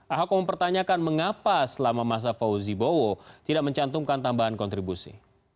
ahok mempertanyakan mengapa selama masa fauzi bowo tidak mencantumkan tambahan kontribusi